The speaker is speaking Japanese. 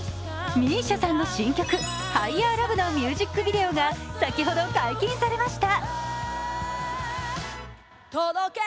ＭＩＳＩＡさんの新曲「ＨｉｇｈｅｒＬｏｖｅ」のミュージックビデオが先ほど解禁されました。